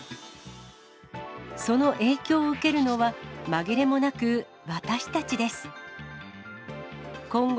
その影響を受けるのは、紛れもなく私たちです。